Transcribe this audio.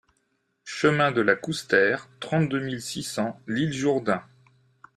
Chemin de la Coustère, trente-deux mille six cents L'Isle-Jourdain